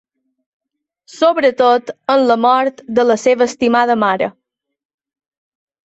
Sobretot en la mort de la seva estimada mare.